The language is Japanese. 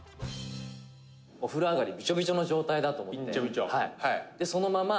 「お風呂上がりビチョビチョの状態だと思って」